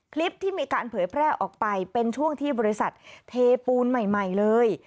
คลิปที่มีการเผยแพร่ออกไปเป็นช่วงที่บริษัทเทปูนใหม่เลย